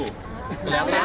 tadi bawah pak